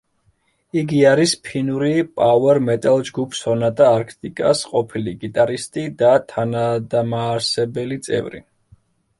იგი არის ფინური პაუერ მეტალ ჯგუფ სონატა არქტიკას ყოფილი გიტარისტი და თანადამაარსებელი წევრი.